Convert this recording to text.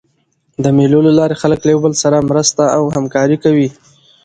د مېلو له لاري خلک له یو بل سره مرسته او همکاري کوي.